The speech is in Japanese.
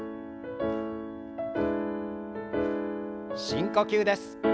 深呼吸です。